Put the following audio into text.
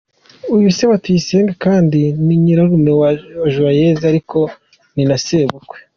Uyu se wa Tuyisenge kandi, ni nyirarume wa Joyeuse ariko ni na sebukwe.